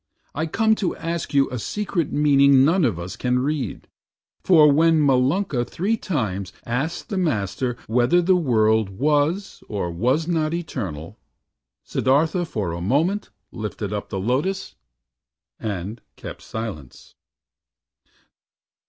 I come to ask you A secret meaning none of us can read; For, when Malunka three times asked the Master Whether the world was or was not eternal, Siddartha for a moment lifted up The Lotus, and kept silence."